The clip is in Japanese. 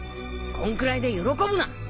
こんくらいで喜ぶな。